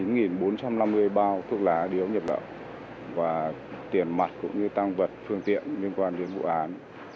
hai mươi năm người bao thuốc lá điếu nhập lậu và tiền mặt cũng như tăng vật phương tiện liên quan đến vụ án